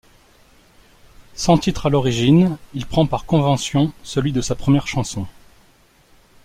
Sans titre à l'origine, il prend par convention celui de sa première chanson.